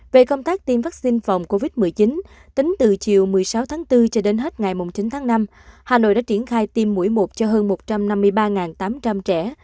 về công tác tiêm vaccine phòng covid một mươi chín tính từ chiều một mươi sáu tháng bốn cho đến hết ngày chín tháng năm hà nội đã triển khai tiêm mũi một cho hơn một trăm năm mươi ba tám trăm linh trẻ